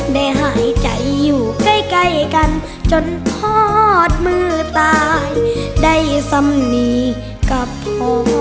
ได้หายใจอยู่ใกล้ใกล้กันจนทอดมือตายได้สำนีกับโท